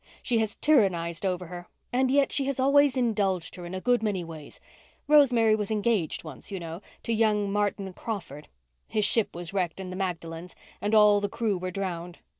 She has tyrannized over her, and yet she has always indulged her in a good many ways. Rosemary was engaged once, you know—to young Martin Crawford. His ship was wrecked on the Magdalens and all the crew were drowned.